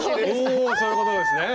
おそういうことですね！